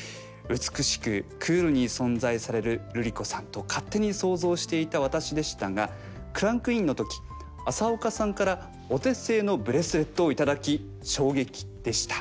「美しくクールに存在されるルリ子さんと勝手に想像していた私でしたがクランクインの時浅丘さんからお手製のブレスレットを頂き衝撃でした。